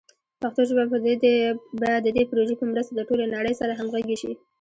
پښتو ژبه به د دې پروژې په مرسته د ټولې نړۍ سره همغږي شي.